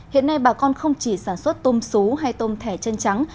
hiện nay bà con không chỉ sản xuất tôm xú hay tôm thẻ chân trắng